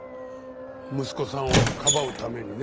息子さんをかばうためにね。